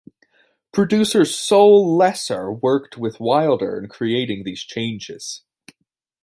Producer Sol Lesser worked with Wilder in creating these changes.